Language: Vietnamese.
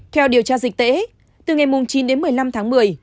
theo điều tra dịch tễ từ ngày chín đến một mươi năm tháng một mươi